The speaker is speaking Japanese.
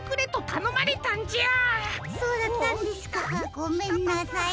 ごめんなさい。